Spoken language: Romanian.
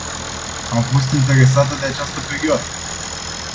Am fost interesată de această perioadă.